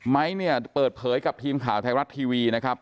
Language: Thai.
เนี่ยเปิดเผยกับทีมข่าวไทยรัฐทีวีนะครับ